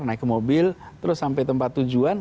naik ke mobil terus sampai tempat tujuan